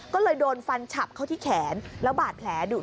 ก็เลยโดนฟันฉับเข้าที่แขนแล้วบาดแผลดุ